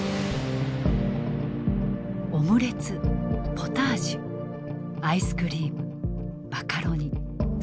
オムレツポタージュアイスクリームマカロニそしてビフテキ。